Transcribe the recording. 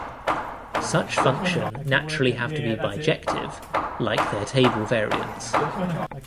Such function naturally have to be bijective, like their table variants.